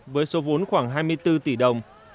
với số vốn khoảng hai mươi bốn tỷ đồng